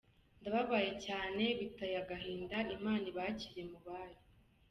Ndababaye cyane biteye agahinda imana ibakire mubayo.